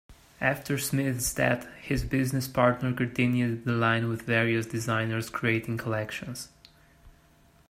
After Smith's death, his business partner continued the line with various designers creating collections.